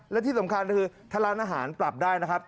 และที่สำคัญคือถ้าร้านอาหารปรับได้นะครับ